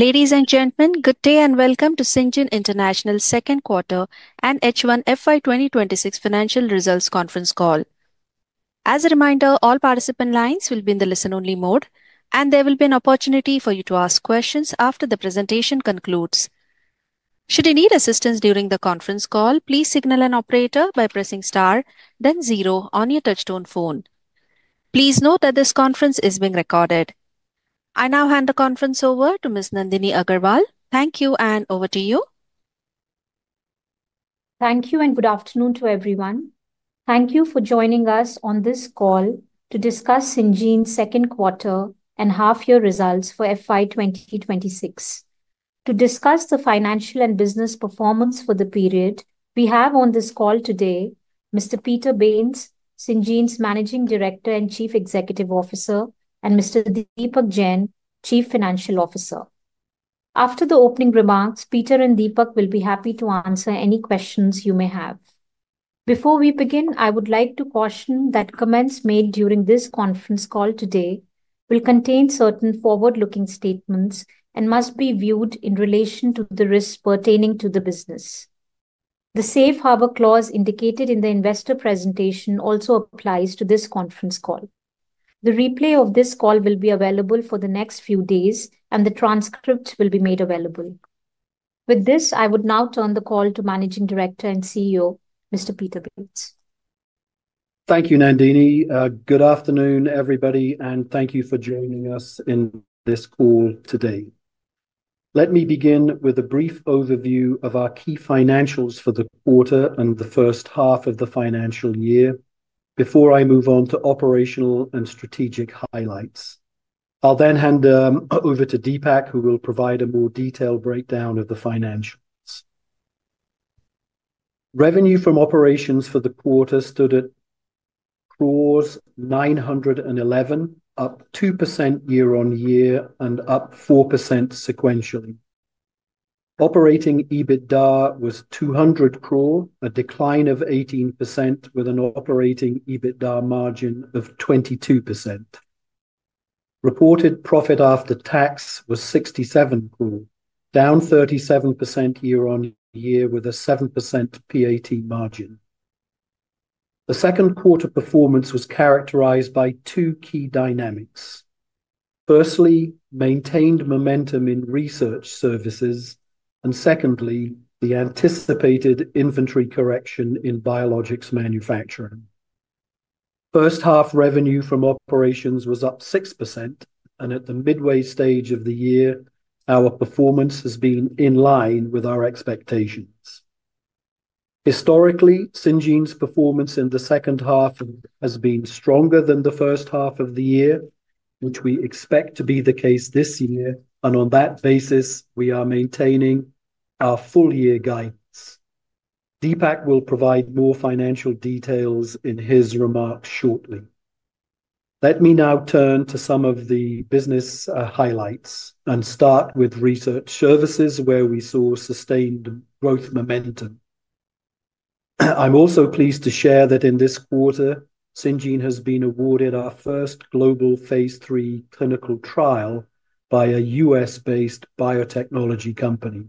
Ladies and gentlemen, good day and welcome to Syngene International second quarter and H1FY 2026 financial results conference call. As a reminder, all participant lines will be in the listen-only mode, and there will be an opportunity for you to ask questions after the presentation concludes. Should you need assistance during the conference call, please signal an operator by pressing Star, then Zero on your touchstone phone. Please note that this conference is being recorded. I now hand the conference over to Ms. Nandini Agarwal. Thank you, and over to you. Thank you, and good afternoon to everyone. Thank you for joining us on this call to discuss Syngene's second quarter and half-year results for FY 2026. To discuss the financial and business performance for the period, we have on this call today Mr. Peter Bains, Syngene's Managing Director and Chief Executive Officer, and Mr. Deepak Jain, Chief Financial Officer. After the opening remarks, Peter and Deepak will be happy to answer any questions you may have. Before we begin, I would like to caution that comments made during this conference call today will contain certain forward-looking statements and must be viewed in relation to the risks pertaining to the business. The safe harbor clause indicated in the investor presentation also applies to this conference call. The replay of this call will be available for the next few days, and the transcript will be made available. With this, I would now turn the call to Managing Director and CEO, Mr. Peter Bains. Thank you, Nandini. Good afternoon, everybody, and thank you for joining us in this call today. Let me begin with a brief overview of our key financials for the quarter and the first half of the financial year before I move on to operational and strategic highlights. I'll then hand over to Deepak, who will provide a more detailed breakdown of the financials. Revenue from operations for the quarter stood at 911 crore, up 2% year-on-year and up 4% sequentially. Operating EBITDA was 200 crore, a decline of 18%, with an operating EBITDA margin of 22%. Reported profit after tax was 67 crore, down 37% year-on-year with a 7% PAT margin. The second quarter performance was characterized by two key dynamics. Firstly, maintained momentum in research services, and secondly, the anticipated inventory correction in biologics manufacturing. First-half revenue from operations was up 6%, and at the midway stage of the year, our performance has been in line with our expectations. Historically, Syngene's performance in the second half has been stronger than the first half of the year, which we expect to be the case this year, and on that basis, we are maintaining our full-year guidance. Deepak will provide more financial details in his remarks shortly. Let me now turn to some of the business highlights and start with research services, where we saw sustained growth momentum. I'm also pleased to share that in this quarter, Syngene has been awarded our first global phase III clinical trial by a U.S.-based biotechnology company.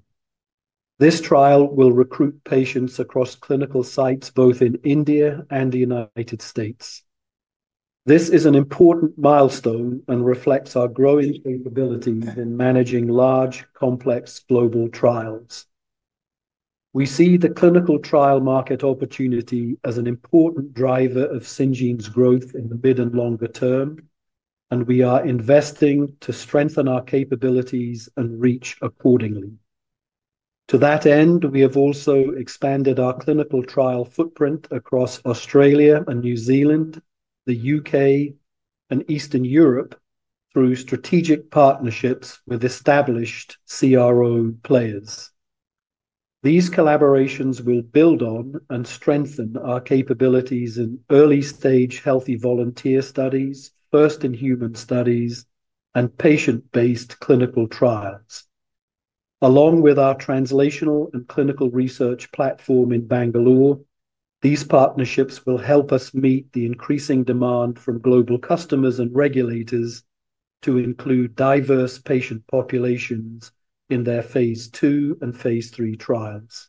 This trial will recruit patients across clinical sites both in India and the United States. This is an important milestone and reflects our growing capabilities in managing large, complex global trials. We see the clinical trial market opportunity as an important driver of Syngene's growth in the mid and longer term, and we are investing to strengthen our capabilities and reach accordingly. To that end, we have also expanded our clinical trial footprint across Australia and New Zealand, the U.K., and Eastern Europe through strategic partnerships with established CRO players. These collaborations will build on and strengthen our capabilities in early-stage healthy volunteer studies, first-in-human studies, and patient-based clinical trials. Along with our translational and clinical research platform in Bangalore, these partnerships will help us meet the increasing demand from global customers and regulators to include diverse patient populations in their phase II and phase III trials.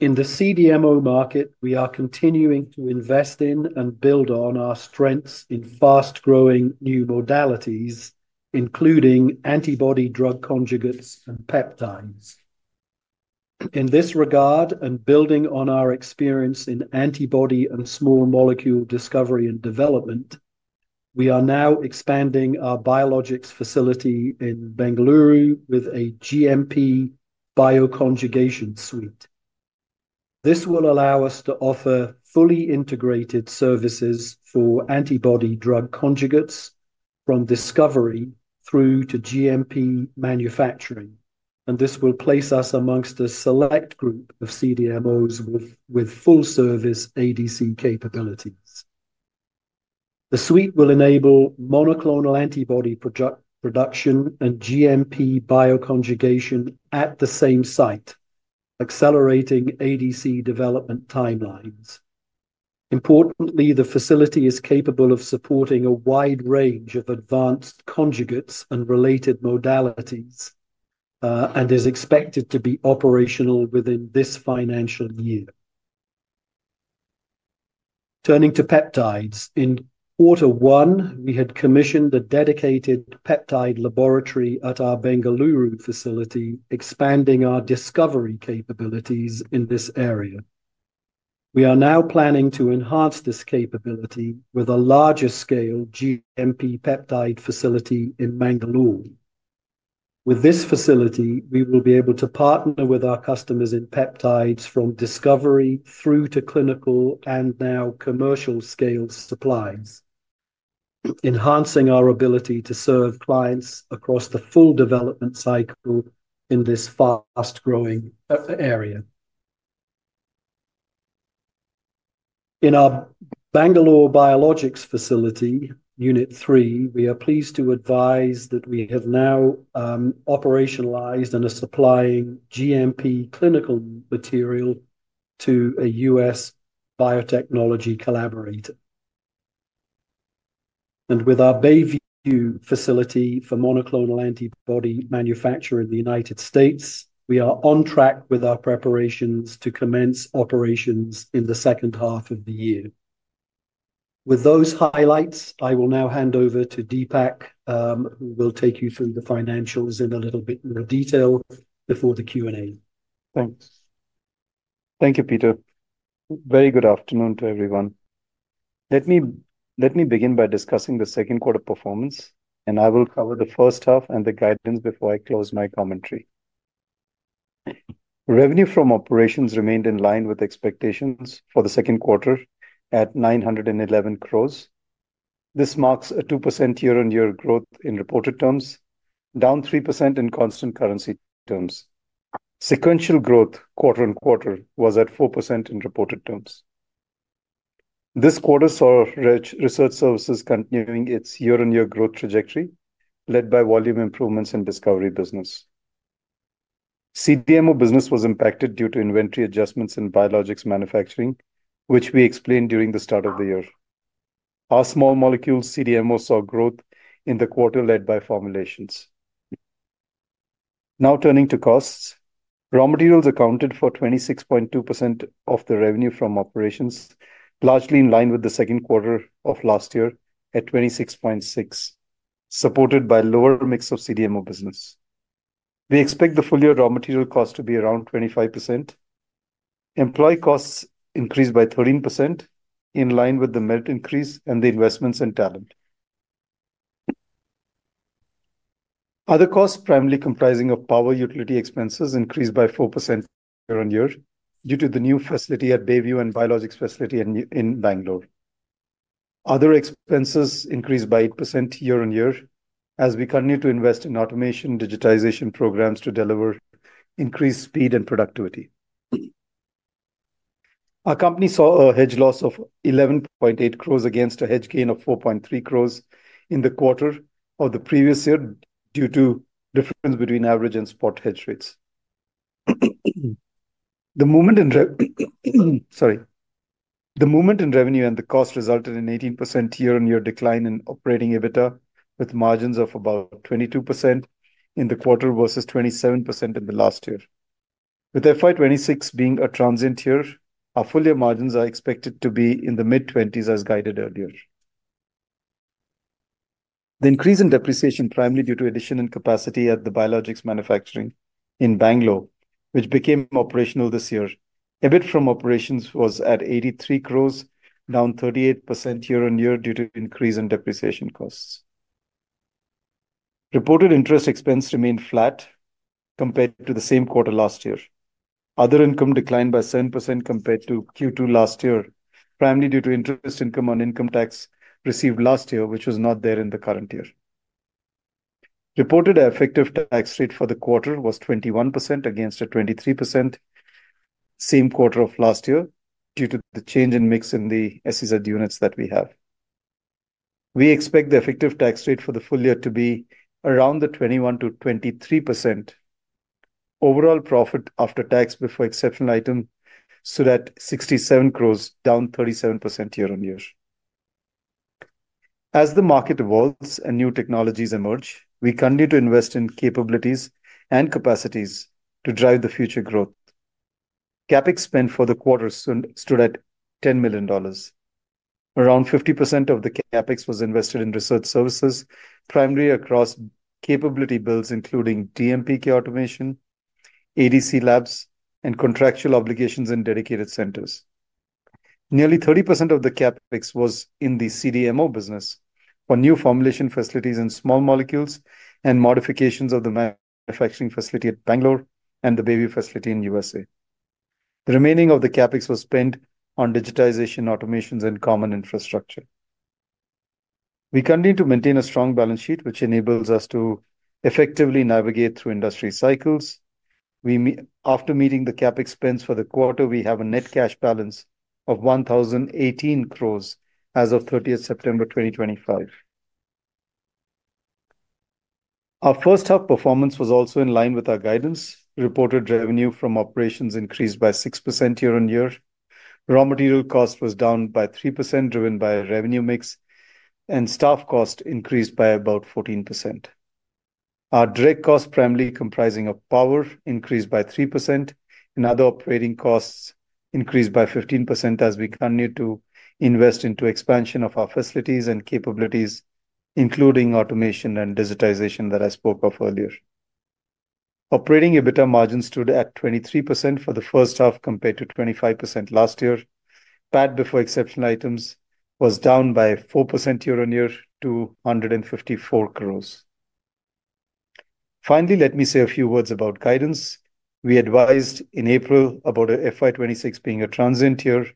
In the CDMO market, we are continuing to invest in and build on our strengths in fast-growing new modalities, including antibody drug conjugates and peptides. In this regard, and building on our experience in antibody and small molecule discovery and development, we are now expanding our biologics facility in Bengaluru with a GMP bioconjugation suite. This will allow us to offer fully integrated services for antibody drug conjugates from discovery through to GMP manufacturing, and this will place us amongst a select group of CDMOs with full-service ADC capabilities. The suite will enable monoclonal antibody production and GMP bioconjugation at the same site, accelerating ADC development timelines. Importantly, the facility is capable of supporting a wide range of advanced conjugates and related modalities. It is expected to be operational within this financial year. Turning to peptides, in quarter one, we had commissioned a dedicated peptide laboratory at our Bengaluru facility, expanding our discovery capabilities in this area. We are now planning to enhance this capability with a larger-scale GMP peptide facility in Mangaluru. With this facility, we will be able to partner with our customers in peptides from discovery through to clinical and now commercial-scale supplies, enhancing our ability to serve clients across the full development cycle in this fast-growing area. In our Bangalore biologics facility, Unit 3, we are pleased to advise that we have now operationalized and are supplying GMP clinical material to a U.S. biotechnology collaborator. With our Bayview facility for monoclonal antibody manufacture in the United States, we are on track with our preparations to commence operations in the second half of the year. With those highlights, I will now hand over to Deepak, who will take you through the financials in a little bit more detail before the Q&A. Thanks. Thank you, Peter. Very good afternoon to everyone. Let me begin by discussing the second quarter performance, and I will cover the first half and the guidance before I close my commentary. Revenue from operations remained in line with expectations for the second quarter at 911 crore. This marks a 2% year-on-year growth in reported terms, down 3% in constant currency terms. Sequential growth quarter on quarter was at 4% in reported terms. This quarter saw research services continuing its year-on-year growth trajectory, led by volume improvements in discovery business. CDMO business was impacted due to inventory adjustments in biologics manufacturing, which we explained during the start of the year. Our small molecule CDMO saw growth in the quarter led by formulations. Now turning to costs, raw materials accounted for 26.2% of the revenue from operations, largely in line with the second quarter of last year at 26.6%, supported by a lower mix of CDMO business. We expect the full-year raw material cost to be around 25%. Employee costs increased by 13%, in line with the merit increase and the investments in talent. Other costs, primarily comprising power and utility expenses, increased by 4% year-on-year due to the new facility at Bayview and biologics facility in Bangalore. Other expenses increased by 8% year-on-year as we continue to invest in automation and digitization programs to deliver increased speed and productivity. Our company saw a hedge loss of 11.8 crore against a hedge gain of 4.3 crore in the quarter of the previous year due to the difference between average and spot hedge rates. The movement in. Revenue and the cost resulted in an 18% year-on-year decline in operating EBITDA, with margins of about 22% in the quarter versus 27% in the last year. With FY 2026 being a transient year, our full-year margins are expected to be in the mid-20s, as guided earlier. The increase in depreciation, primarily due to addition and capacity at the biologics manufacturing in Bangalore, which became operational this year, EBIT from operations was at 83 crore, down 38% year-on-year due to increase in depreciation costs. Reported interest expense remained flat compared to the same quarter last year. Other income declined by 7% compared to Q2 last year, primarily due to interest income on income tax received last year, which was not there in the current year. Reported effective tax rate for the quarter was 21% against a 23%. Same quarter of last year due to the change in mix in the SCZ units that we have. We expect the effective tax rate for the full year to be around 21%-23%. Overall profit after tax before exceptional item stood at 67 crore, down 37% year-on-year. As the market evolves and new technologies emerge, we continue to invest in capabilities and capacities to drive the future growth. CapEx spent for the quarter stood at $10 million. Around 50% of the CapEx was invested in research services, primarily across capability builds, including DMPK automation, ADC labs, and contractual obligations in dedicated centers. Nearly 30% of the CapEx was in the CDMO business for new formulation facilities in small molecules and modifications of the manufacturing facility at Bangalore and the Bayview facility in the U.S. The remaining of the CapEx was spent on digitization, automations, and common infrastructure. We continue to maintain a strong balance sheet, which enables us to effectively navigate through industry cycles. After meeting the CapEx spends for the quarter, we have a net cash balance of 1,018 crore as of 30 September 2025. Our first-half performance was also in line with our guidance. Reported revenue from operations increased by 6% year-on-year. Raw material cost was down by 3%, driven by a revenue mix, and staff cost increased by about 14%. Our direct cost, primarily comprising power, increased by 3%, and other operating costs increased by 15% as we continue to invest in the expansion of our facilities and capabilities, including automation and digitization that I spoke of earlier. Operating EBITDA margins stood at 23% for the first half compared to 25% last year. PAT before exceptional items was down by 4% year-on-year to 154 crore. Finally, let me say a few words about guidance. We advised in April about FY 2026 being a transient year.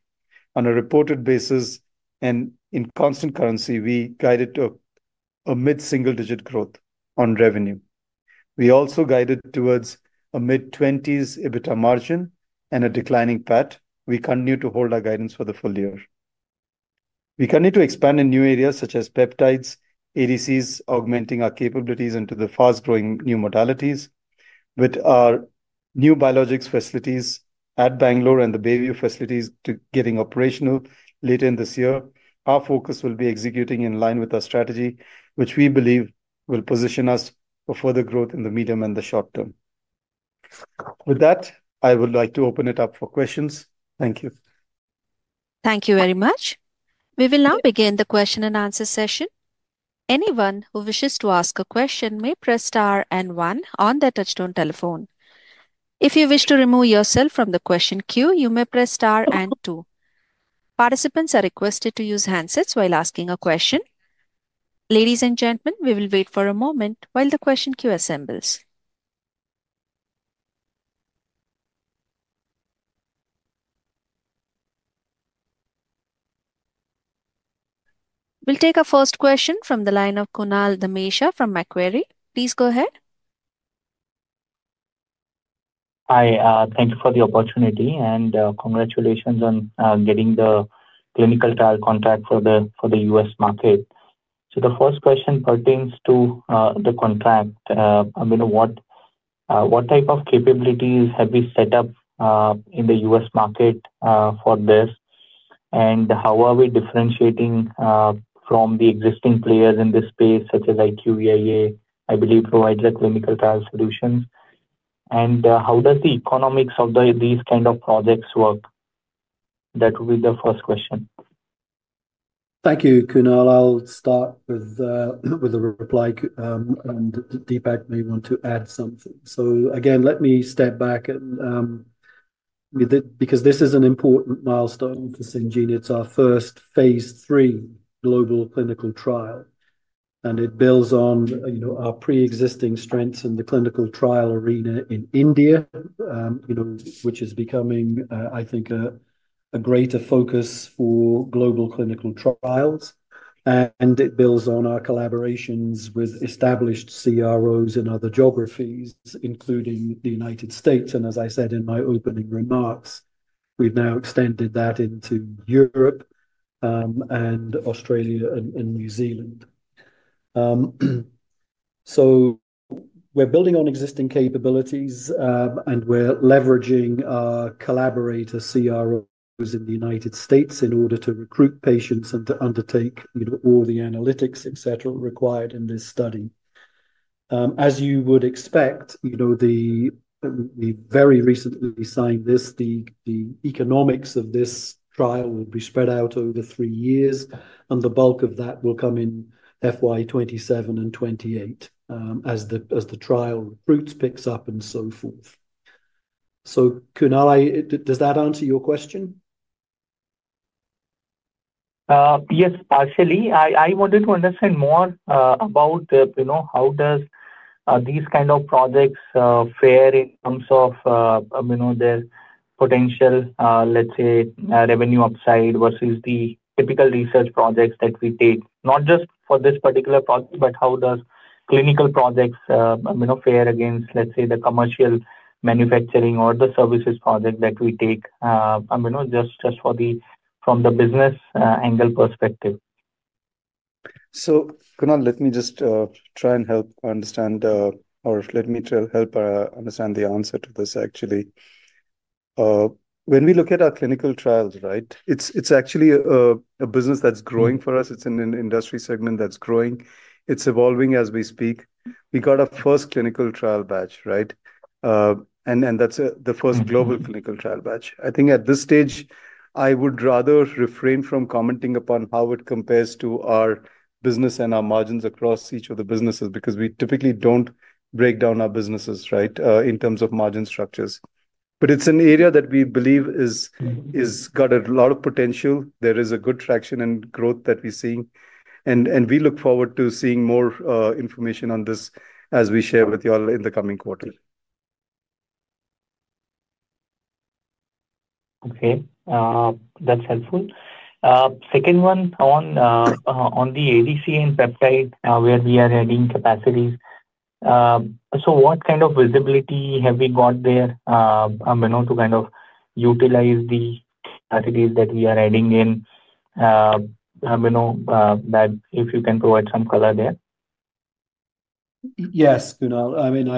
On a reported basis and in constant currency, we guided to a mid-single-digit growth on revenue. We also guided towards a mid-20s EBITDA margin and a declining PAT. We continue to hold our guidance for the full year. We continue to expand in new areas such as peptides, ADCs, augmenting our capabilities into the fast-growing new modalities. With our new biologics facilities at Bangalore and the Bayview facilities getting operational later in this year, our focus will be executing in line with our strategy, which we believe will position us for further growth in the medium and the short term. With that, I would like to open it up for questions. Thank you. Thank you very much. We will now begin the question and answer session. Anyone who wishes to ask a question may press star and one on their touchstone telephone. If you wish to remove yourself from the question queue, you may press star and two. Participants are requested to use handsets while asking a question. Ladies and gentlemen, we will wait for a moment while the question queue assembles. We'll take our first question from the line of Kunal Damesha from Macquarie. Please go ahead. Hi, thank you for the opportunity and congratulations on getting the clinical trial contract for the U.S. market. The first question pertains to the contract. I mean, what type of capabilities have we set up in the U.S. market for this? How are we differentiating from the existing players in this space, such as IQVIA, I believe, provides clinical trial solutions? How does the economics of these kinds of projects work? That would be the first question. Thank you, Kunal. I'll start with a reply, and Deepak may want to add something. Again, let me step back because this is an important milestone for Syngene. It's our first phase III global clinical trial, and it builds on our pre-existing strengths in the clinical trial arena in India, which is becoming, I think, a greater focus for global clinical trials. It builds on our collaborations with established CROs in other geographies, including the United States. As I said in my opening remarks, we've now extended that into Europe, Australia, and New Zealand. We're building on existing capabilities, and we're leveraging our collaborator CROs in the United States in order to recruit patients and to undertake all the analytics, etc., required in this study. As you would expect, we very recently signed this. The economics of this trial will be spread out over three years, and the bulk of that will come in FY 2027 and 2028 as the trial recruits pick up and so forth. Kunal, does that answer your question? Yes, partially. I wanted to understand more about how these kinds of projects fare in terms of their potential, let's say, revenue upside versus the typical research projects that we take, not just for this particular project, but how do clinical projects fare against, let's say, the commercial manufacturing or the services project that we take just from the business angle perspective? Kunal, let me just try and help understand, or let me help understand the answer to this, actually. When we look at our clinical trials, right, it's actually a business that's growing for us. It's in an industry segment that's growing. It's evolving as we speak. We got our first clinical trial batch, right? That's the first global clinical trial batch. I think at this stage, I would rather refrain from commenting upon how it compares to our business and our margins across each of the businesses because we typically don't break down our businesses, right, in terms of margin structures. It's an area that we believe has got a lot of potential. There is good traction and growth that we're seeing. We look forward to seeing more information on this as we share with you all in the coming quarter. Okay. That's helpful. Second one on the ADC and peptide where we are adding capacities. What kind of visibility have we got there to kind of utilize the capacities that we are adding in? If you can provide some color there? Yes, Kunal. I mean,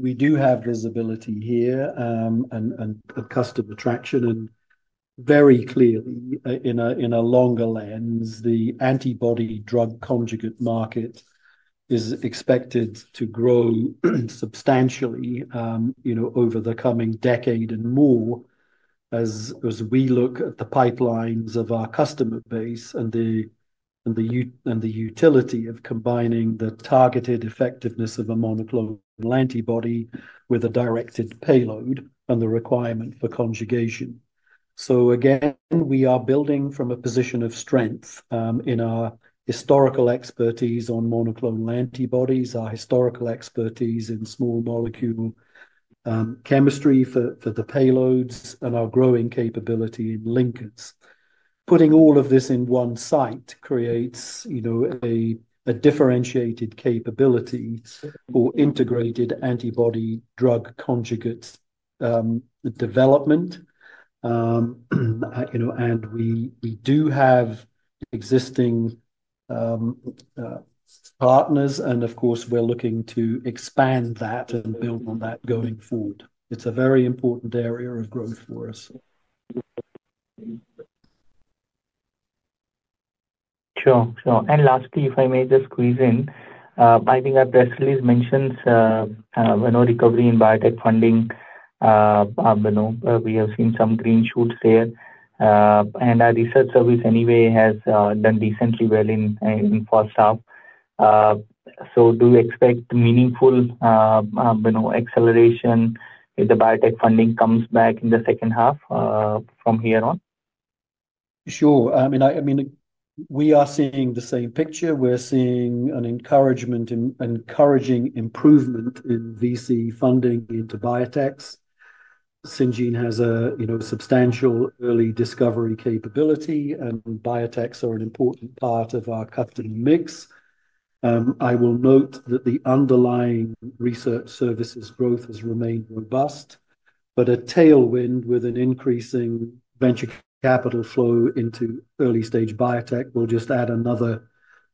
we do have visibility here and customer traction. Very clearly, in a longer lens, the antibody drug conjugate market is expected to grow substantially over the coming decade and more. As we look at the pipelines of our customer base and the utility of combining the targeted effectiveness of a monoclonal antibody with a directed payload and the requirement for conjugation. Again, we are building from a position of strength in our historical expertise on monoclonal antibodies, our historical expertise in small molecule chemistry for the payloads, and our growing capability in linkers. Putting all of this in one site creates a differentiated capability for integrated antibody drug conjugate development. We do have existing partners, and of course, we're looking to expand that and build on that going forward. It's a very important area of growth for us. Sure. Lastly, if I may just squeeze in, I think as Leslie mentioned, recovery in biotech funding. We have seen some green shoots there, and our research service, anyway, has done decently well in the first half. Do you expect meaningful acceleration if the biotech funding comes back in the second half from here on? Sure. I mean, we are seeing the same picture. We're seeing an encouraging improvement in VC funding into biotechs. Syngene has a substantial early discovery capability, and biotechs are an important part of our customer mix. I will note that the underlying research services growth has remained robust, but a tailwind with an increasing venture capital flow into early-stage biotech will just add another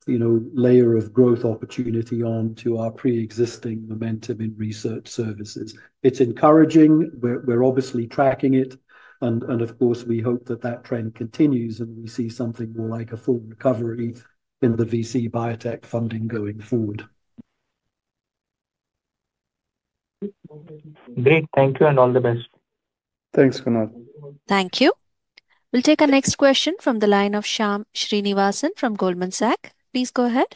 layer of growth opportunity onto our pre-existing momentum in research services. It's encouraging. We're obviously tracking it. Of course, we hope that that trend continues and we see something more like a full recovery in the VC biotech funding going forward. Great. Thank you. All the best. Thanks, Kunal. Thank you. We'll take our next question from the line of Shyam Srinivasan from Goldman Sachs. Please go ahead.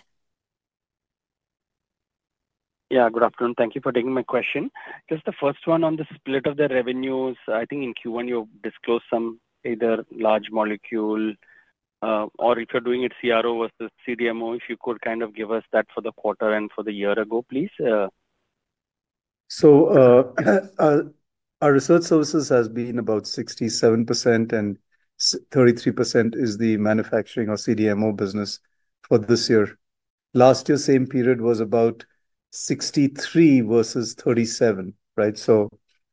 Yeah, good afternoon. Thank you for taking my question. Just the first one on the split of the revenues, I think in Q1, you disclosed some either large molecule, or if you're doing it CRO versus CDMO, if you could kind of give us that for the quarter and for the year ago, please. Our research services has been about 67%, and 33% is the manufacturing or CDMO business for this year. Last year, same period was about 63% versus 37%, right? So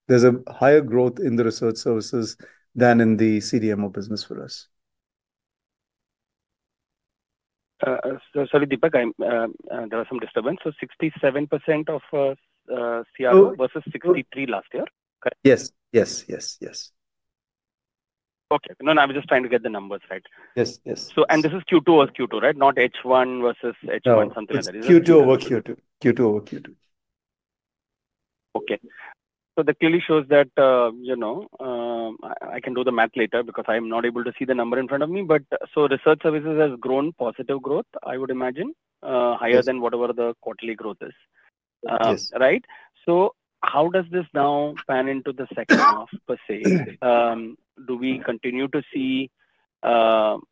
there's a higher growth in the research services than in the CDMO business for us. Sorry, Deepak, there was some disturbance. So 67% of CRO versus 63% last year, correct? Yes. Okay. No, no, I was just trying to get the numbers right. Yes. Yes. This is Q2 or Q2, right? Not H1 versus H1 or something like that. Q2 over Q2. Okay. So that clearly shows that. I can do the math later because I'm not able to see the number in front of me. But research services has grown positive growth, I would imagine, higher than whatever the quarterly growth is. Yes. Right? So how does this now pan into the second half, per se? Do we continue to see? What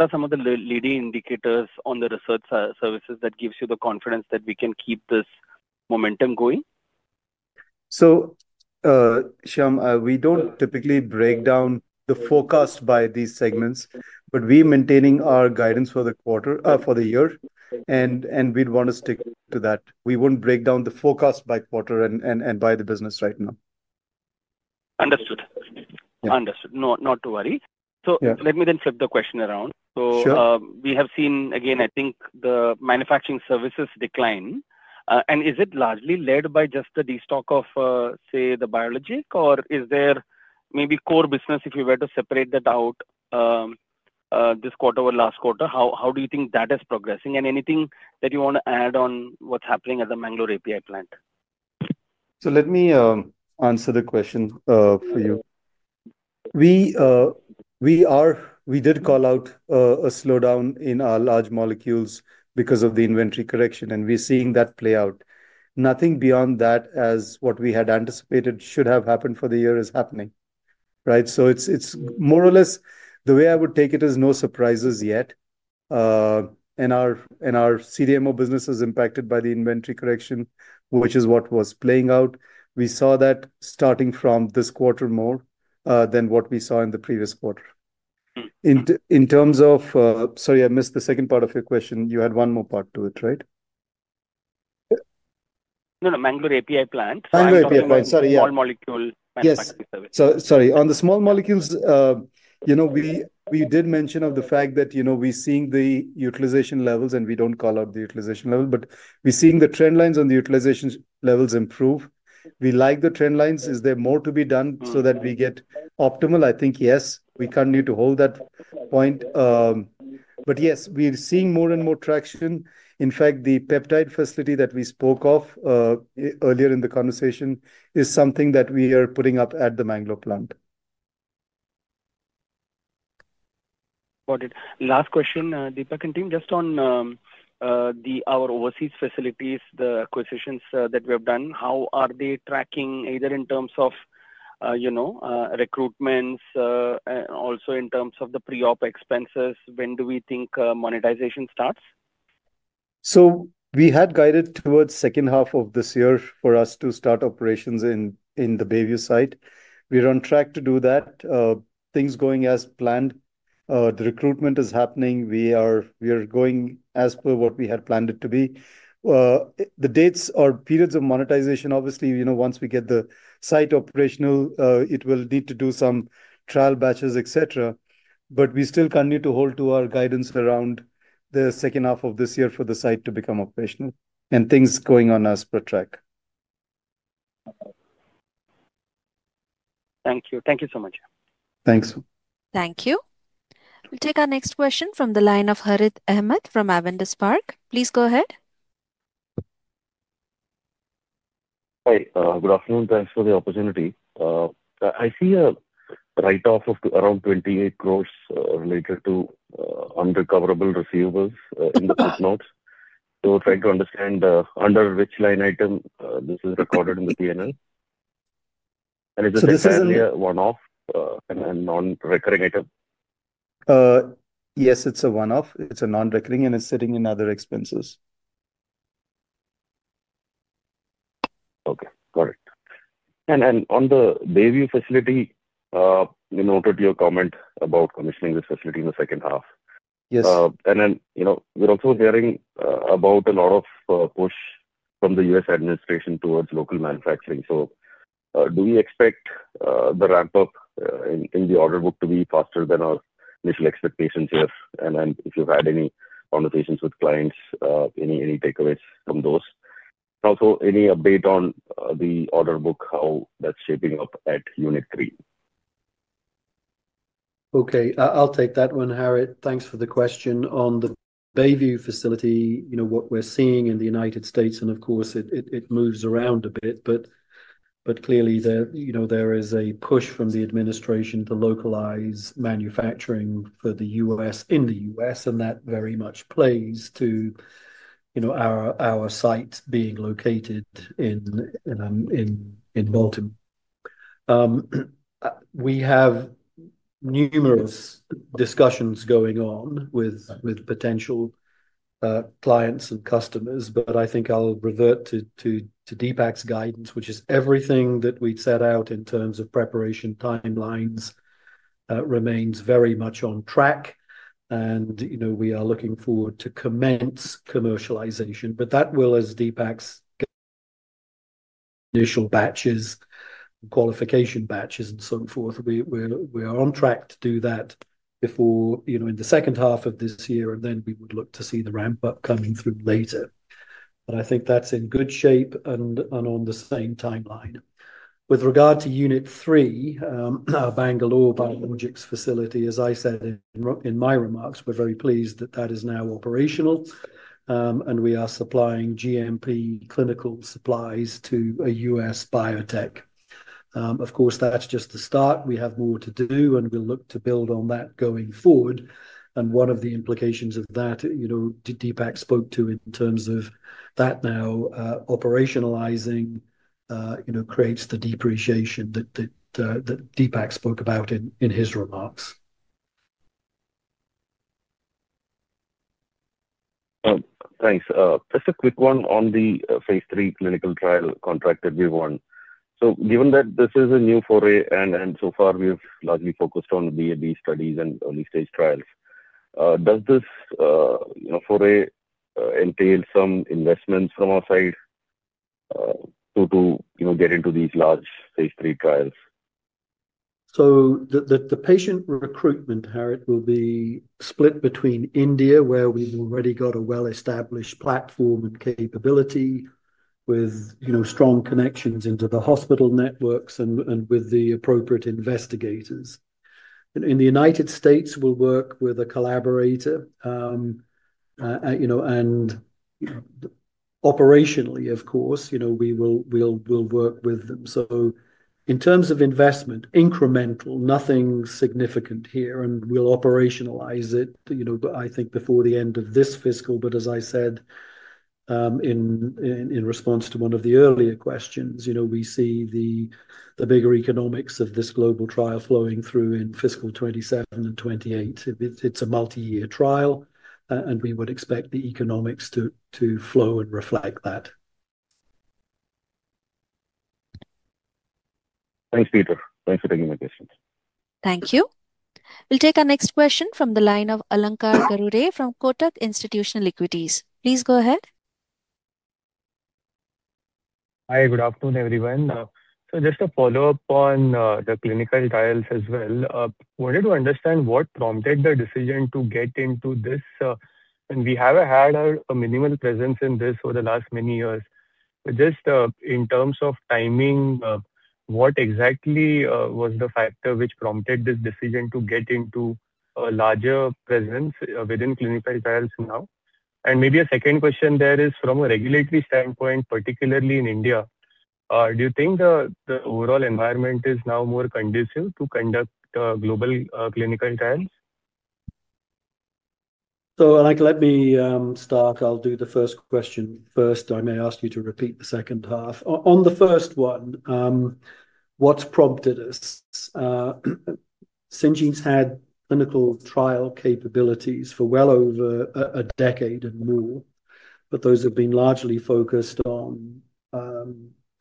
are some of the leading indicators on the research services that gives you the confidence that we can keep this momentum going? Shyam, we don't typically break down the forecast by these segments, but we're maintaining our guidance for the year, and we'd want to stick to that. We wouldn't break down the forecast by quarter and by the business right now. Understood. Understood. Not to worry. Let me then flip the question around. We have seen, again, I think, the manufacturing services decline. Is it largely led by just the destock of, say, the biologic, or is there maybe core business, if you were to separate that out? This quarter or last quarter? How do you think that is progressing? Anything that you want to add on what's happening at the Mangaluru API plant? Let me answer the question for you. We did call out a slowdown in our large molecules because of the inventory correction, and we're seeing that play out. Nothing beyond that, as what we had anticipated should have happened for the year, is happening, right? It's more or less the way I would take it is no surprises yet. Our CDMO business is impacted by the inventory correction, which is what was playing out. We saw that starting from this quarter more than what we saw in the previous quarter. In terms of—sorry, I missed the second part of your question. You had one more part to it, right? No, no, Mangaluru API plant. Mangaluru API plant. Sorry, yeah. Small molecule manufacturing service. Sorry. On the small molecules. We did mention the fact that we're seeing the utilization levels, and we don't call out the utilization level, but we're seeing the trend lines on the utilization levels improve. We like the trend lines. Is there more to be done so that we get optimal? I think yes. We continue to hold that point. Yes, we're seeing more and more traction. In fact, the peptide facility that we spoke of earlier in the conversation is something that we are putting up at the Mangaluru plant. Got it. Last question, Deepak and team, just on our overseas facilities, the acquisitions that we have done, how are they tracking either in terms of recruitments and also in terms of the pre-op expenses? When do we think monetization starts? We had guided towards the second half of this year for us to start operations in the Bayview site. We're on track to do that. Things going as planned. The recruitment is happening. We are going as per what we had planned it to be. The dates or periods of monetization, obviously, once we get the site operational, it will need to do some trial batches, etc. We still continue to hold to our guidance around the second half of this year for the site to become operational. Things going on as per track. Thank you. Thank you so much. Thanks. Thank you. We'll take our next question from the line of Harith Ahmed from Avendus Park. Please go ahead. Hi. Good afternoon. Thanks for the opportunity. I see a write-off of around 28 crores related to unrecoverable receivables in the footnotes. Trying to understand under which line item this is recorded in the P&L. Is it a one-off and non-recurring item? Yes, it's a one-off. It's a non-recurring, and it's sitting in other expenses. Okay. Got it. On the Bayview facility, I noted your comment about commissioning this facility in the second half. Yes. We're also hearing about a lot of push from the U.S. administration towards local manufacturing. Do we expect the ramp-up in the order book to be faster than our initial expectations here? If you've had any conversations with clients, any takeaways from those? Also, any update on the order book, how that's shaping up at Unit 3? Okay. I'll take that one, Harith. Thanks for the question. On the Bayview facility, what we're seeing in the United States, and of course, it moves around a bit, but clearly, there is a push from the administration to localize manufacturing in the U.S., and that very much plays to our site being located in Baltimore. We have numerous discussions going on with potential clients and customers, but I think I'll revert to Deepak's guidance, which is everything that we've set out in terms of preparation timelines remains very much on track, and we are looking forward to commence commercialization. That will, as Deepak's initial batches, qualification batches, and so forth, we are on track to do that in the second half of this year, and we would look to see the ramp-up coming through later. I think that's in good shape and on the same timeline. With regard to Unit 3. Our Bangalore Biologics facility, as I said in my remarks, we're very pleased that that is now operational. We are supplying GMP clinical supplies to a US biotech. Of course, that's just the start. We have more to do, and we'll look to build on that going forward. One of the implications of that, Deepak spoke to in terms of that now operationalizing, creates the depreciation that Deepak spoke about in his remarks. Thanks. Just a quick one on the phase three clinical trial contract that we've won. Given that this is a new foray, and so far we've largely focused on BA/BE studies and early-stage trials, does this foray entail some investments from our side to get into these large phase three trials? The patient recruitment, Harith, will be split between India, where we've already got a well-established platform and capability with strong connections into the hospital networks and with the appropriate investigators. In the United States, we'll work with a collaborator. Operationally, of course, we'll work with them. In terms of investment, incremental, nothing significant here, and we'll operationalize it, I think, before the end of this fiscal. As I said in response to one of the earlier questions, we see the bigger economics of this global trial flowing through in fiscal 2027 and 2028. It's a multi-year trial, and we would expect the economics to flow and reflect that. Thanks, Peter. Thanks for taking my questions. Thank you. We'll take our next question from the line of Allankar Garude from Kotak Institutional Equities. Please go ahead. Hi. Good afternoon, everyone. Just a follow-up on the clinical trials as well. I wanted to understand what prompted the decision to get into this. We have had a minimal presence in this over the last many years. Just in terms of timing, what exactly was the factor which prompted this decision to get into a larger presence within clinical trials now? Maybe a second question there is from a regulatory standpoint, particularly in India. Do you think the overall environment is now more conducive to conduct global clinical trials? Let me start. I'll do the first question first. I may ask you to repeat the second half. On the first one, what's prompted us? Syngene's had clinical trial capabilities for well over a decade and more, but those have been largely focused on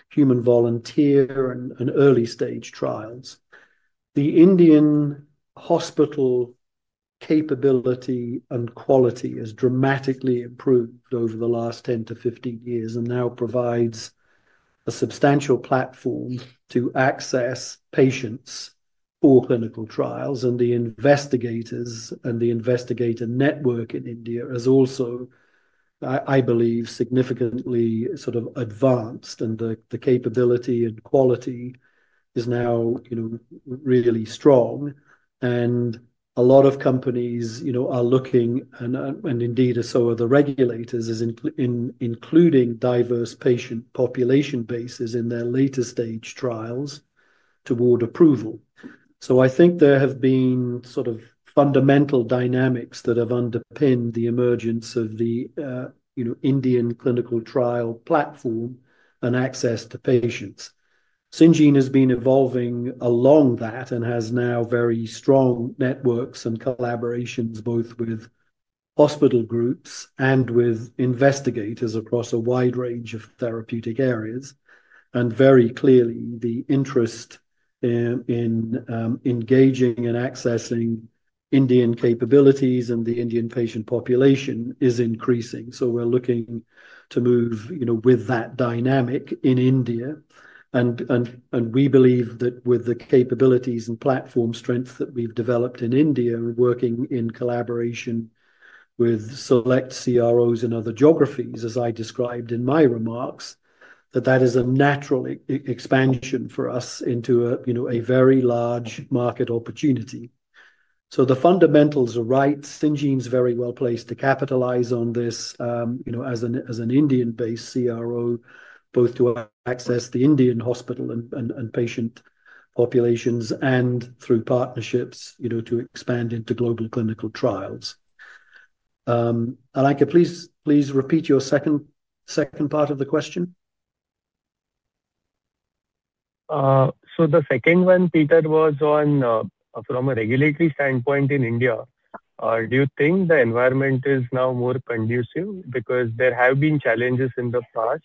human volunteer and early-stage trials. The Indian hospital capability and quality has dramatically improved over the last 10 to 15 years and now provides a substantial platform to access patients for clinical trials. The investigators and the investigator network in India has also, I believe, significantly sort of advanced, and the capability and quality is now really strong. A lot of companies are looking, and indeed so are the regulators, at including diverse patient population bases in their later-stage trials toward approval. I think there have been sort of fundamental dynamics that have underpinned the emergence of the. Indian clinical trial platform and access to patients. Syngene has been evolving along that and has now very strong networks and collaborations both with hospital groups and with investigators across a wide range of therapeutic areas. Very clearly, the interest in engaging and accessing Indian capabilities and the Indian patient population is increasing. We're looking to move with that dynamic in India. We believe that with the capabilities and platform strength that we've developed in India, working in collaboration with select CROs in other geographies, as I described in my remarks, that is a natural expansion for us into a very large market opportunity. The fundamentals are right. Syngene's very well placed to capitalize on this as an Indian-based CRO, both to access the Indian hospital and patient populations and through partnerships to expand into global clinical trials. Alanka, please repeat your second. Part of the question. The second one, Peter, was on. From a regulatory standpoint in India, do you think the environment is now more conducive? Because there have been challenges in the past.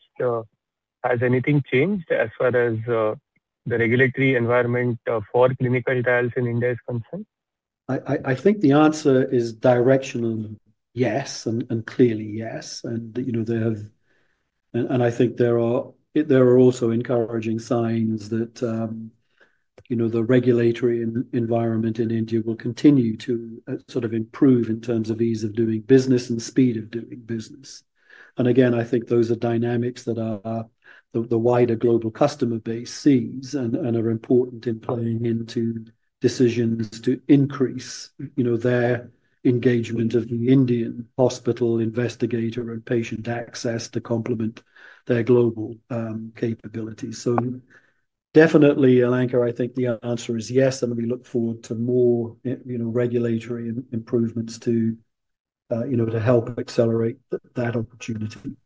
Has anything changed as far as the regulatory environment for clinical trials in India is concerned? I think the answer is directionally yes and clearly yes. I think there are also encouraging signs that the regulatory environment in India will continue to sort of improve in terms of ease of doing business and speed of doing business. I think those are dynamics that the wider global customer base sees and are important in playing into decisions to increase their engagement of the Indian hospital investigator and patient access to complement their global capabilities. Definitely, Alanka, I think the answer is yes, and we look forward to more regulatory improvements to help accelerate that opportunity.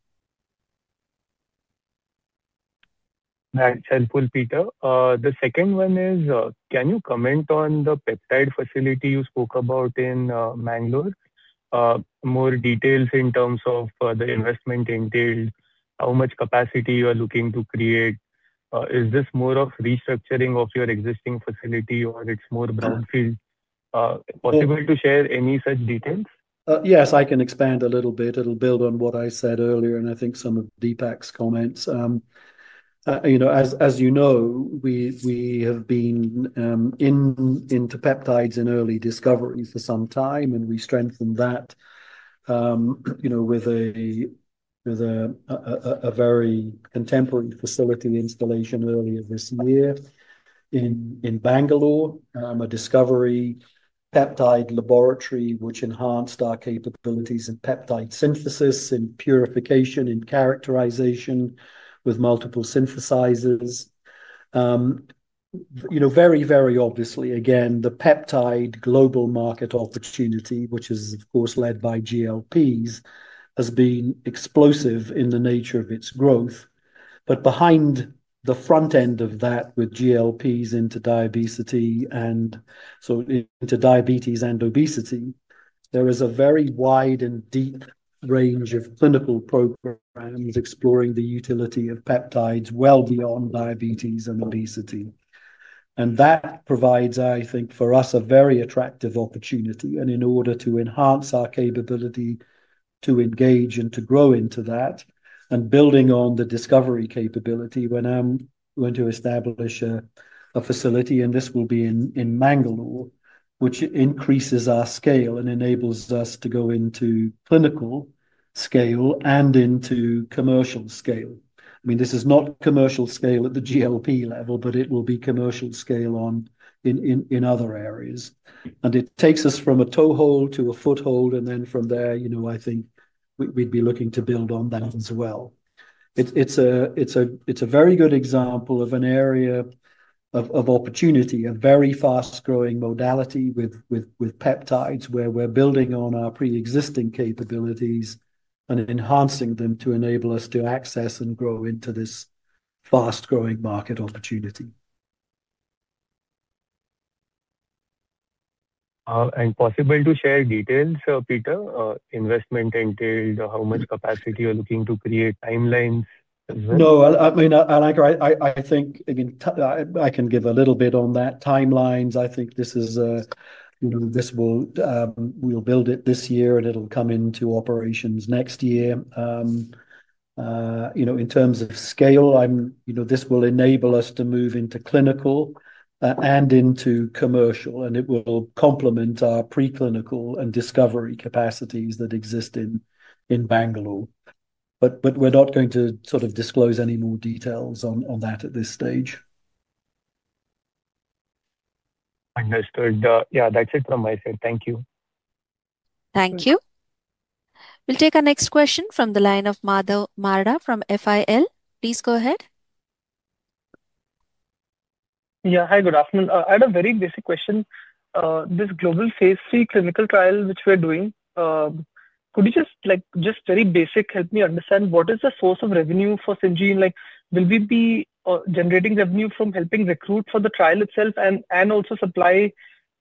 Thanks, Peter. The second one is, can you comment on the peptide facility you spoke about in Mangaluru? More details in terms of the investment entailed, how much capacity you are looking to create. Is this more of restructuring of your existing facility, or it's more brownfield? Possible to share any such details? Yes, I can expand a little bit. It'll build on what I said earlier, and I think some of Deepak's comments. As you know, we have been into peptides in early discovery for some time, and we strengthened that with a very contemporary facility installation earlier this year in Bangalore, a discovery peptide laboratory which enhanced our capabilities in peptide synthesis, in purification, in characterization with multiple synthesizers. Very, very obviously, again, the peptide global market opportunity, which is, of course, led by GLPs, has been explosive in the nature of its growth. Behind the front end of that with GLPs into diabetes and obesity, there is a very wide and deep range of clinical programs exploring the utility of peptides well beyond diabetes and obesity. That provides, I think, for us a very attractive opportunity. In order to enhance our capability to engage and to grow into that and building on the discovery capability, when I'm going to establish a facility, and this will be in Mangaluru, which increases our scale and enables us to go into clinical scale and into commercial scale. I mean, this is not commercial scale at the GLP level, but it will be commercial scale in other areas. It takes us from a toehold to a foothold, and then from there, I think we'd be looking to build on that as well. It's a very good example of an area of opportunity, a very fast-growing modality with peptides where we're building on our pre-existing capabilities and enhancing them to enable us to access and grow into this fast-growing market opportunity. it possible to share details, Peter, investment entailed, how much capacity you're looking to create, timelines as well? No, I mean, Alanka, I think I can give a little bit on that. Timelines, I think this is. We'll build it this year, and it'll come into operations next year. In terms of scale, this will enable us to move into clinical. And into commercial, and it will complement our preclinical and discovery capacities that exist in Bangalore. But we're not going to sort of disclose any more details on that at this stage. Understood. Yeah, that's it from my side. Thank you. Thank you. We'll take our next question from the line of Madhu Ravindran from FIL. Please go ahead. Yeah. Hi, good afternoon. I have a very basic question. This global phase three clinical trial which we're doing. Could you just, just very basic, help me understand what is the source of revenue for Syngene? Will we be generating revenue from helping recruit for the trial itself and also supply,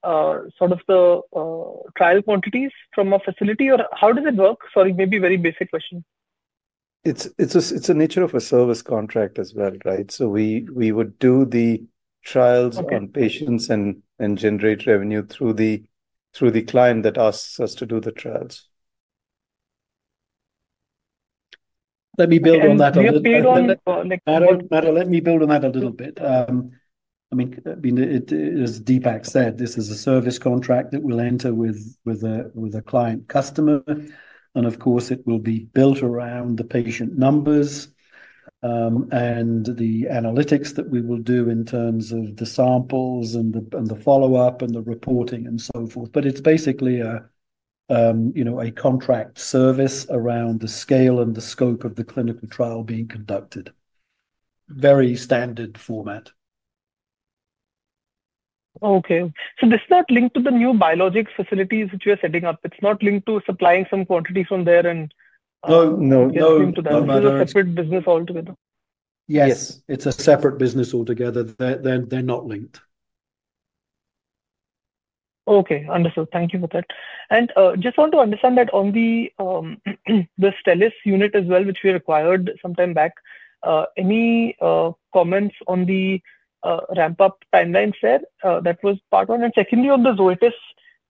sort of the trial quantities from a facility, or how does it work? Sorry, maybe very basic question. It's a nature of a service contract as well, right? We would do the trials on patients and generate revenue through the client that asks us to do the trials. Let me build on that a little bit. Madda, let me build on that a little bit. I mean, as Deepak said, this is a service contract that we will enter with a client customer. Of course, it will be built around the patient numbers and the analytics that we will do in terms of the samples and the follow-up and the reporting and so forth. It is basically a contract service around the scale and the scope of the clinical trial being conducted. Very standard format. Okay. So this is not linked to the new biologics facilities that you are setting up? It's not linked to supplying some quantities from there. No, no. Just linked to that? It's a separate business altogether? Yes. It's a separate business altogether. They're not linked. Okay. Understood. Thank you for that. Just want to understand that on the Stellis unit as well, which we acquired some time back. Any comments on the ramp-up timeline set? That was part one. Secondly, on the Zoetis,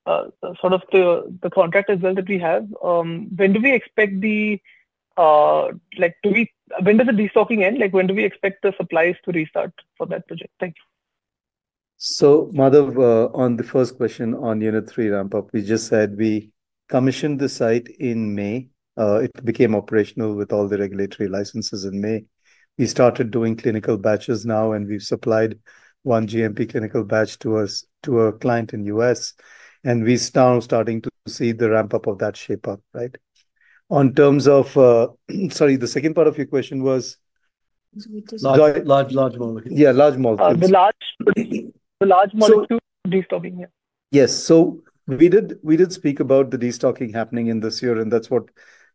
sort of the contract as well that we have, when do we expect the restocking to end? When do we expect the supplies to restart for that project? Thank you. Madhav, on the first question on unit three ramp-up, we just said we commissioned the site in May. It became operational with all the regulatory licenses in May. We started doing clinical batches now, and we've supplied one GMP clinical batch to a client in the U.S. We're now starting to see the ramp-up of that shape up, right? On terms of. Sorry, the second part of your question was? Large molecules. Yeah, large molecules. The large molecule restocking here? Yes. We did speak about the restocking happening in this year, and that is what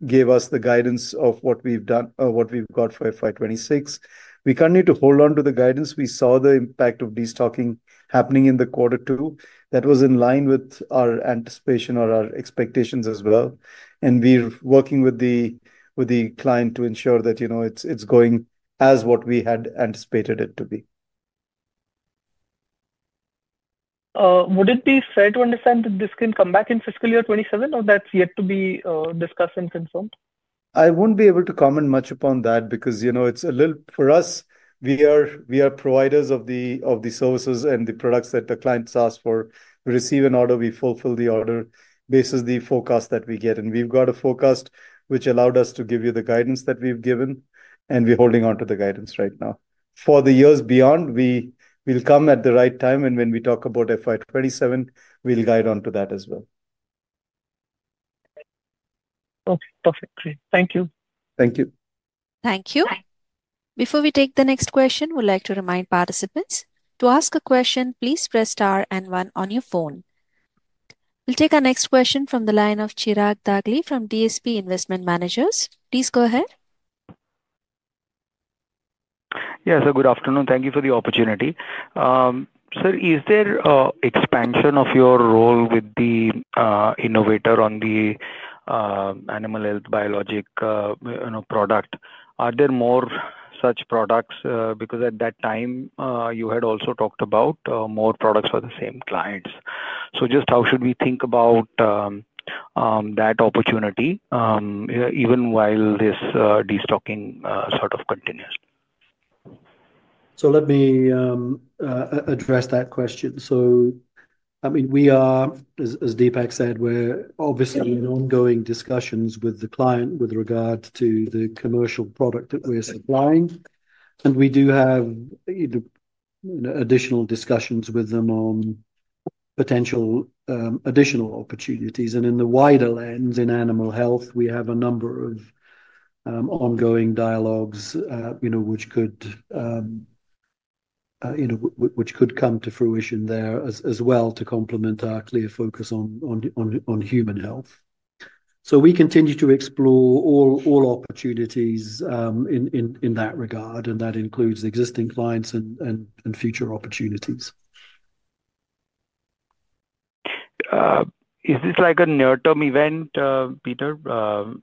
gave us the guidance of what we have done or what we have got for FY2026. We continue to hold on to the guidance. We saw the impact of restocking happening in quarter two. That was in line with our anticipation or our expectations as well. We are working with the client to ensure that it is going as what we had anticipated it to be. Would it be fair to understand that this can come back in fiscal year 2027, or that's yet to be discussed and confirmed? I won't be able to comment much upon that because it's a little for us, we are providers of the services and the products that the clients ask for. We receive an order, we fulfill the order based on the forecast that we get. We have got a forecast which allowed us to give you the guidance that we have given, and we are holding on to the guidance right now. For the years beyond, we will come at the right time, and when we talk about FY2027, we will guide on to that as well. Perfect. Thank you. Thank you. Thank you. Before we take the next question, we'd like to remind participants to ask a question, please press star and one on your phone. We'll take our next question from the line of Chirag Dagli from DSP Investment Managers. Please go ahead. Yes. Good afternoon. Thank you for the opportunity. Sir, is there an expansion of your role with the innovator on the animal health biologic product? Are there more such products? Because at that time, you had also talked about more products for the same clients. So just how should we think about that opportunity, even while this restocking sort of continues? Let me address that question. I mean, we are, as Deepak said, obviously in ongoing discussions with the client with regard to the commercial product that we are supplying. We do have additional discussions with them on potential additional opportunities. In the wider lens in animal health, we have a number of ongoing dialogues which could come to fruition there as well to complement our clear focus on human health. We continue to explore all opportunities in that regard, and that includes existing clients and future opportunities. Is this like a near-term event, Peter,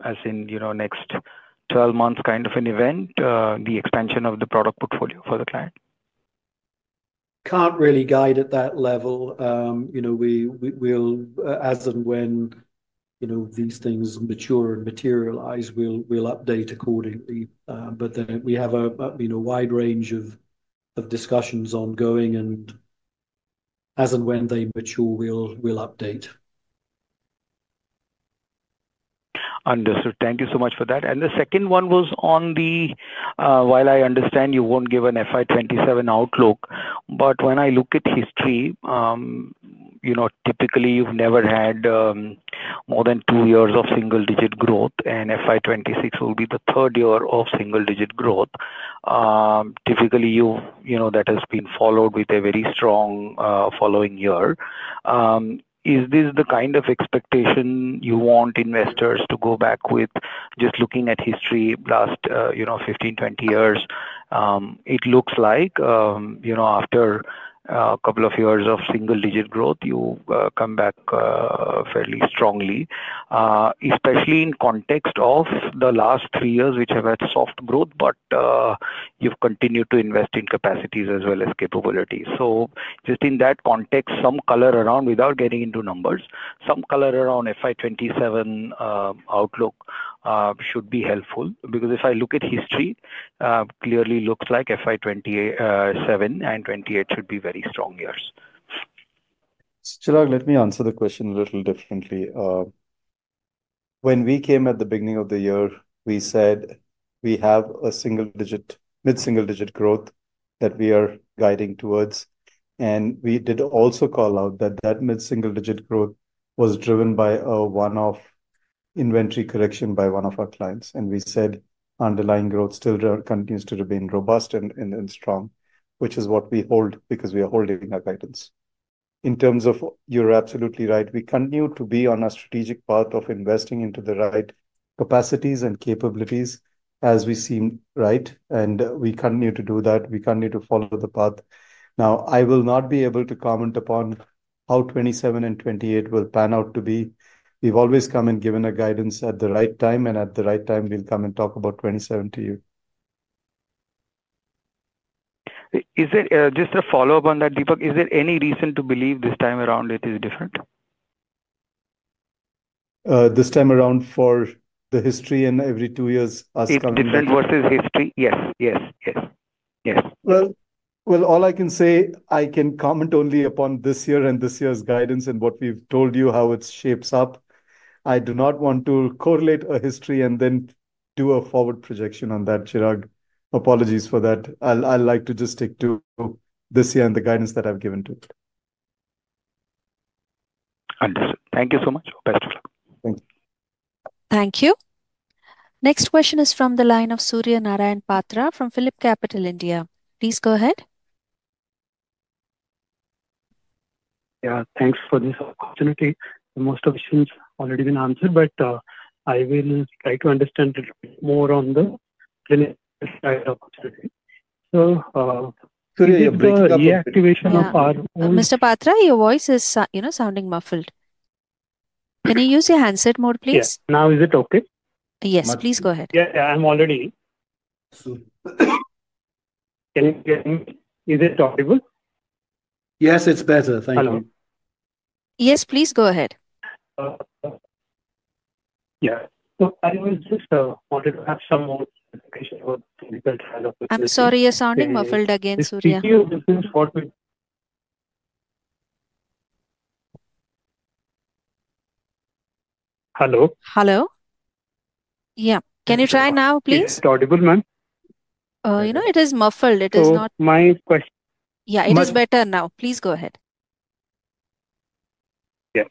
as in next 12 months kind of an event, the expansion of the product portfolio for the client? Can't really guide at that level. As and when these things mature and materialize, we'll update accordingly. We have a wide range of discussions ongoing, and as and when they mature, we'll update. Understood. Thank you so much for that. The second one was on the, while I understand you won't give an FY 2027 outlook, but when I look at history, typically, you've never had more than two years of single-digit growth, and FY 2026 will be the third year of single-digit growth. Typically, that has been followed with a very strong following year. Is this the kind of expectation you want investors to go back with, just looking at history last 15-20 years? It looks like after a couple of years of single-digit growth, you come back fairly strongly, especially in context of the last three years, which have had soft growth, but you've continued to invest in capacities as well as capabilities. Just in that context, some color around, without getting into numbers, some color around FY 2027 outlook should be helpful. Because if I look at history, it clearly looks like FY2027 and 2028 should be very strong years. Chirag, let me answer the question a little differently. When we came at the beginning of the year, we said we have a single-digit, mid-single-digit growth that we are guiding towards. We did also call out that that mid-single-digit growth was driven by a one-off inventory correction by one of our clients. We said underlying growth still continues to remain robust and strong, which is what we hold because we are holding our guidance. In terms of you're absolutely right, we continue to be on a strategic path of investing into the right capacities and capabilities as we seem right. We continue to do that. We continue to follow the path. Now, I will not be able to comment upon how 2027 and 2028 will pan out to be. We've always come and given our guidance at the right time, and at the right time, we'll come and talk about 2027 to you. Just a follow-up on that, Deepak, is there any reason to believe this time around it is different? This time around for the history and every two years, us coming back. It's different versus history. Yes. All I can say, I can comment only upon this year and this year's guidance and what we've told you, how it shapes up. I do not want to correlate a history and then do a forward projection on that, Chirag. Apologies for that. I'd like to just stick to this year and the guidance that I've given to it. Understood. Thank you so much. Best of luck. Thank you. Thank you. Next question is from the line of Suryanarayan Patra from Philip Capital, India. Please go ahead. Yeah. Thanks for this opportunity. Most of the questions have already been answered, but I will try to understand a little bit more on the clinical side of it. Surya, please. The activation of our own. Mr. Patra, your voice is sounding muffled. Can you use your handset mode, please? Now, is it okay? Yes. Please go ahead. Yeah. I'm already. Sorry. Is it audible? Yes, it's better. Thank you. Hello. Yes, please go ahead. Yeah. I just wanted to have some more clarification about clinical trials. I'm sorry, you're sounding muffled again, Surya. Can you hear this? Hello? Hello? Yeah. Can you try now, please? Is it audible, ma'am? It is muffled. It is not. My question. Yeah. It is better now. Please go ahead. Yes.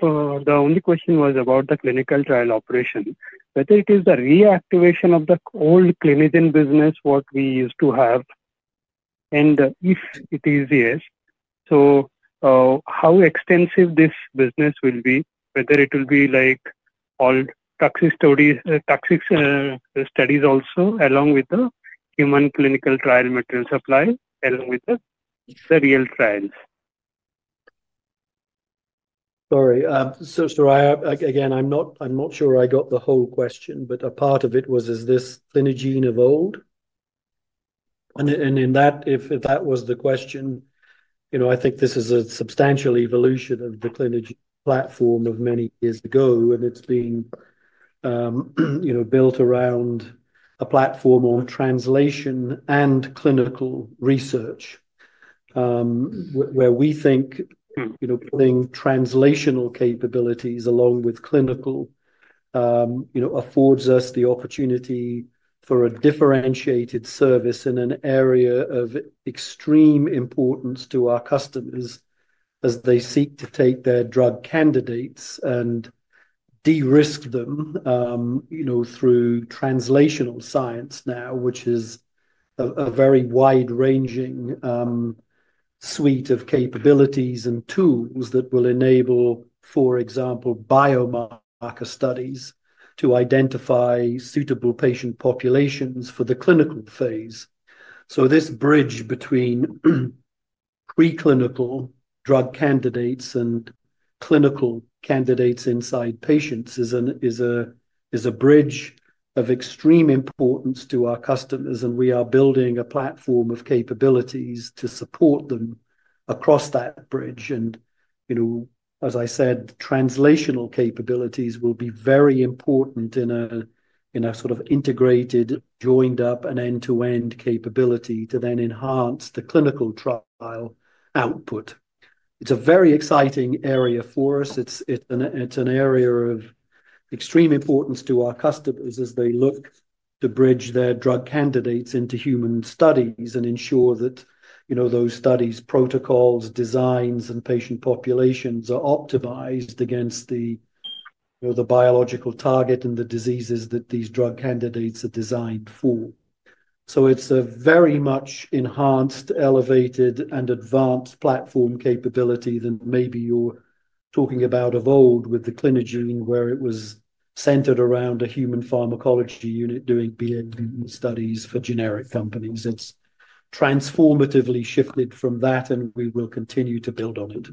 The only question was about the clinical trial operation. Whether it is the reactivation of the old clinician business, what we used to have, and if it is yes, how extensive this business will be, whether it will be like all toxic studies also along with the human clinical trial material supply along with the real trials. Sorry. Again, I'm not sure I got the whole question, but a part of it was, is this clinogene evolved? If that was the question, I think this is a substantial evolution of the clinogene platform of many years ago, and it's been built around a platform on translation and clinical research. We think putting translational capabilities along with clinical affords us the opportunity for a differentiated service in an area of extreme importance to our customers as they seek to take their drug candidates and de-risk them through translational science now, which is a very wide-ranging suite of capabilities and tools that will enable, for example, biomarker studies to identify suitable patient populations for the clinical phase. This bridge between pre-clinical drug candidates and clinical candidates inside patients is. A bridge of extreme importance to our customers, and we are building a platform of capabilities to support them across that bridge. As I said, translational capabilities will be very important in a sort of integrated, joined-up, and end-to-end capability to then enhance the clinical trial output. It is a very exciting area for us. It is an area of extreme importance to our customers as they look to bridge their drug candidates into human studies and ensure that those studies' protocols, designs, and patient populations are optimized against the biological target and the diseases that these drug candidates are designed for. It is a very much enhanced, elevated, and advanced platform capability than maybe you are talking about of old with the clinigene, where it was centered around a human pharmacology unit doing BA studies for generic companies. It has transformatively shifted from that, and we will continue to build on it.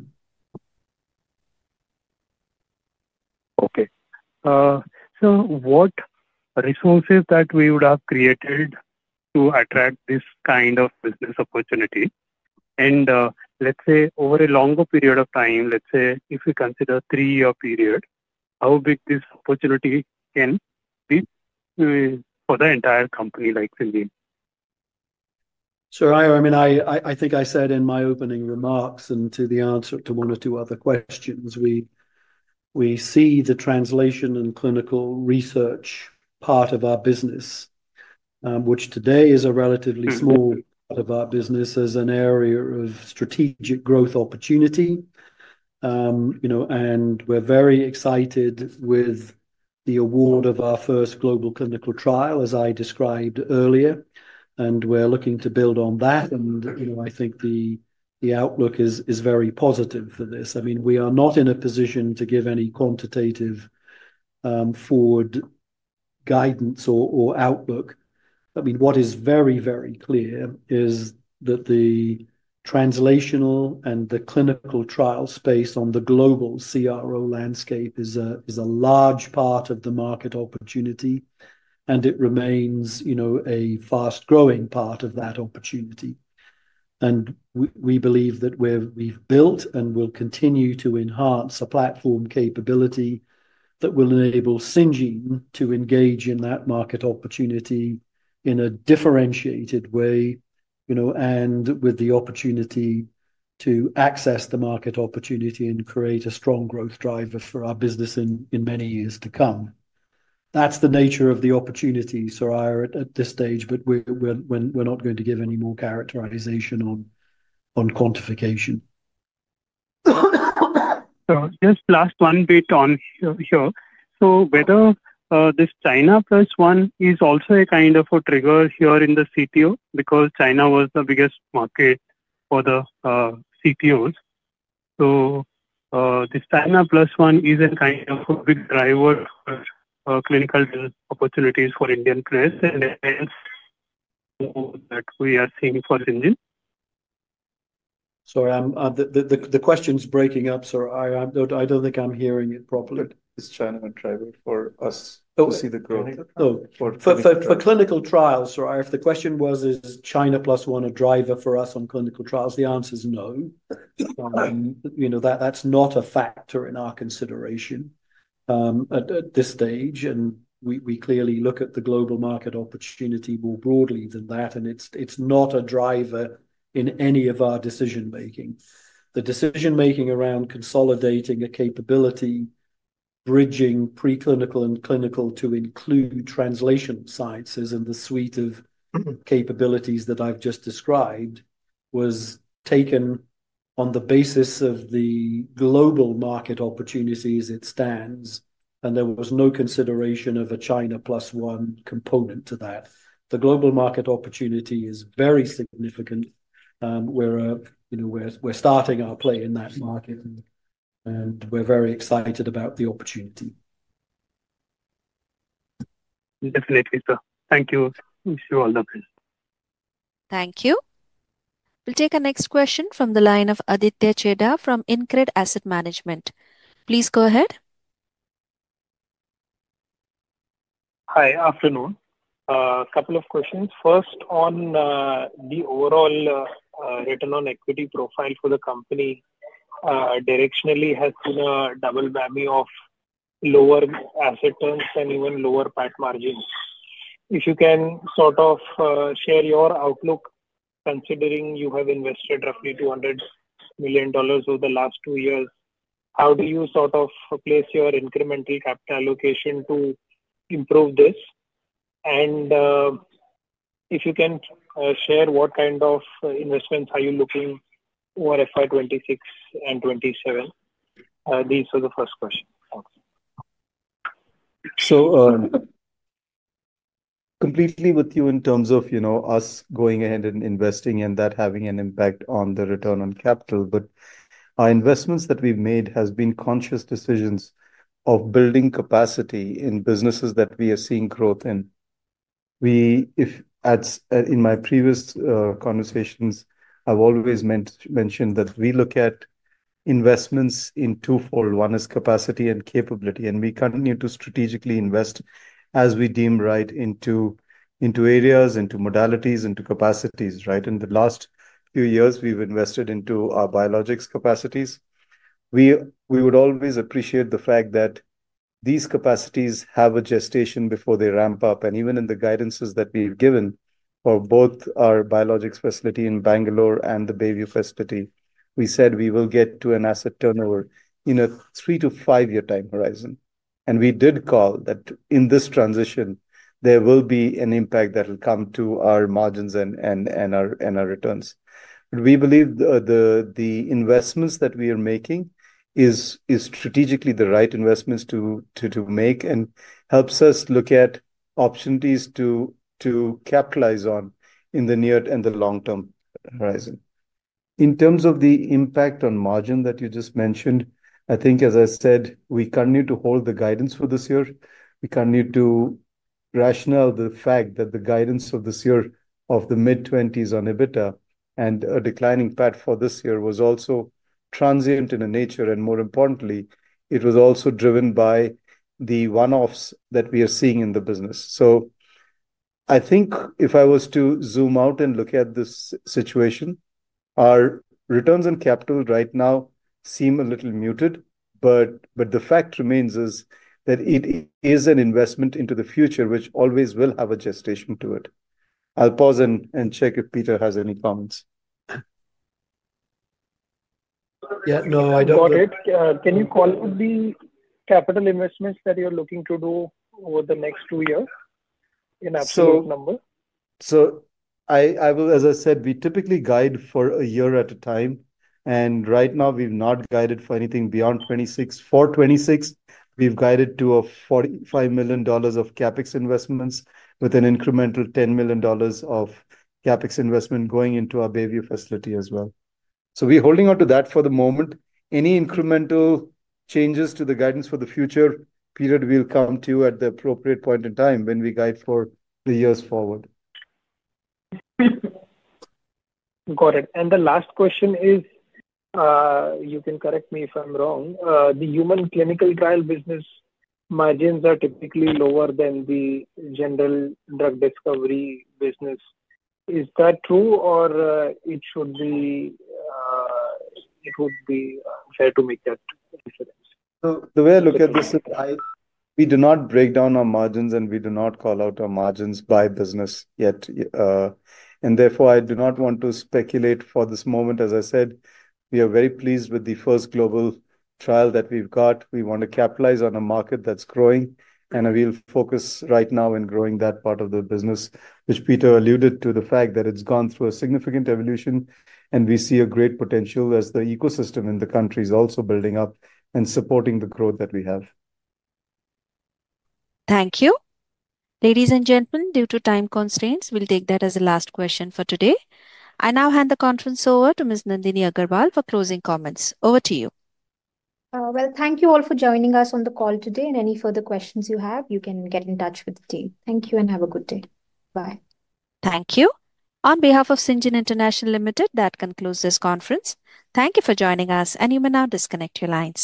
Okay. So what resources that we would have created to attract this kind of business opportunity? And let's say over a longer period of time, let's say if we consider a three-year period, how big this opportunity can be. For the entire company like Syngene? Sir, I mean, I think I said in my opening remarks and to the answer to one or two other questions, we see the translation and clinical research part of our business, which today is a relatively small part of our business, as an area of strategic growth opportunity. I mean, we're very excited with the award of our first global clinical trial, as I described earlier, and we're looking to build on that. I think the outlook is very positive for this. I mean, we are not in a position to give any quantitative forward guidance or outlook. I mean, what is very, very clear is that the translational and the clinical trial space on the global CRO landscape is a large part of the market opportunity, and it remains a fast-growing part of that opportunity. We believe that we have built and will continue to enhance a platform capability that will enable Syngene to engage in that market opportunity in a differentiated way. With the opportunity to access the market opportunity and create a strong growth driver for our business in many years to come. That is the nature of the opportunity, Sir, at this stage, but we are not going to give any more characterization on quantification. Just last one bit on here. Whether this China plus one is also a kind of a trigger here in the CTO because China was the biggest market for the CTOs. This China plus one is a kind of a big driver for clinical opportunities for Indian players. That we are seeing for Syngene. Sorry, the question's breaking up, Sir. I don't think I'm hearing it properly. It's China and China for us to see the growth. For clinical trials, Sir, if the question was, is China plus one a driver for us on clinical trials, the answer is no. That's not a factor in our consideration at this stage. We clearly look at the global market opportunity more broadly than that, and it's not a driver in any of our decision-making. The decision-making around consolidating a capability, bridging preclinical and clinical to include translation sciences and the suite of capabilities that I've just described was taken on the basis of the global market opportunities as it stands, and there was no consideration of a China plus one component to that. The global market opportunity is very significant. We're starting our play in that market, and we're very excited about the opportunity. Definitely, sir. Thank you. Wish you all the best. Thank you. We'll take a next question from the line of Aditya Cheda from Incred Asset Management. Please go ahead. Hi, afternoon. A couple of questions. First, on the overall return on equity profile for the company. Directionally, it has been a double whammy of lower asset turns and even lower PAT margins. If you can sort of share your outlook, considering you have invested roughly $200 million over the last two years, how do you sort of place your incremental capital allocation to improve this? If you can share what kind of investments are you looking for FY2026 and 2027? These are the first questions. Thanks. Completely with you in terms of us going ahead and investing and that having an impact on the return on capital, but our investments that we've made have been conscious decisions of building capacity in businesses that we are seeing growth in. In my previous conversations, I've always mentioned that we look at investments in twofold. One is capacity and capability, and we continue to strategically invest as we deem right into areas, into modalities, into capacities, right? In the last few years, we've invested into our biologics capacities. We would always appreciate the fact that these capacities have a gestation before they ramp up. Even in the guidances that we've given for both our biologics facility in Bangalore and the Bayview facility, we said we will get to an asset turnover in a three to five-year time horizon. We did call that in this transition, there will be an impact that will come to our margins and our returns. We believe the investments that we are making are strategically the right investments to make and help us look at opportunities to capitalize on in the near and the long-term horizon. In terms of the impact on margin that you just mentioned, I think, as I said, we continue to hold the guidance for this year. We continue to rationalize the fact that the guidance of this year of the mid-20s on EBITDA and a declining PAT for this year was also transient in nature, and more importantly, it was also driven by the one-offs that we are seeing in the business. I think if I was to zoom out and look at this situation, our returns on capital right now seem a little muted, but the fact remains is that it is an investment into the future, which always will have a gestation to it. I'll pause and check if Peter has any comments. Yeah. No, I don't. Got it. Can you call it the capital investments that you're looking to do over the next two years? In absolute numbers. As I said, we typically guide for a year at a time, and right now, we've not guided for anything beyond 2026. For 2026, we've guided to a $45 million of CapEx investments with an incremental $10 million of CapEx investment going into our Bayview facility as well. We're holding on to that for the moment. Any incremental changes to the guidance for the future period will come to you at the appropriate point in time when we guide for the years forward. Got it. The last question is, you can correct me if I'm wrong. The human clinical trial business margins are typically lower than the general drug discovery business. Is that true, or should it be fair to make that reference? The way I look at this is, we do not break down our margins, and we do not call out our margins by business yet. Therefore, I do not want to speculate for this moment. As I said, we are very pleased with the first global trial that we've got. We want to capitalize on a market that's growing, and we'll focus right now on growing that part of the business, which Peter alluded to, the fact that it's gone through a significant evolution, and we see great potential as the ecosystem in the country is also building up and supporting the growth that we have. Thank you. Ladies and gentlemen, due to time constraints, we'll take that as a last question for today. I now hand the conference over to Ms. Nandini Agarwal for closing comments. Over to you. Thank you all for joining us on the call today. Any further questions you have, you can get in touch with the team. Thank you and have a good day. Bye. Thank you. On behalf of Syngene International, that concludes this conference. Thank you for joining us, and you may now disconnect your lines.